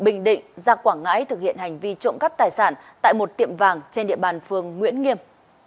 bình định ra quảng ngãi thực hiện hành vi trộm cắp tài sản tại một tiệm vàng trên địa bàn phường nguyễn nghiêm